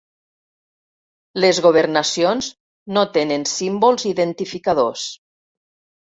Les governacions no tenen símbols identificadors.